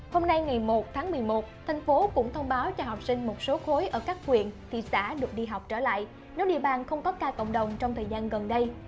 hôm nay ngày một tháng một mươi một thành phố cũng thông báo cho học sinh một số khối ở các huyện thị xã được đi học trở lại nếu địa bàn không có ca cộng đồng trong thời gian gần đây